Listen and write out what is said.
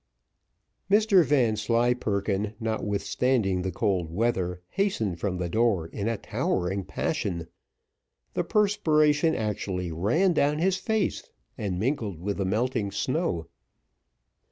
Mr Vanslyperken, notwithstanding the cold weather, hastened from the door in a towering passion. The perspiration actually ran down his face, and mingled with the melting snow.